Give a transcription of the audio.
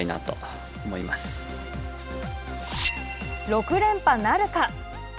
６連覇なるか。